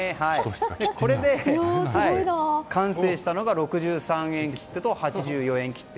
これで完成したのが６３円切手と８４円切手。